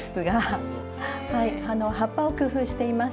はい葉っぱを工夫しています。